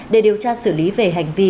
để điều tra xử lý về hành vi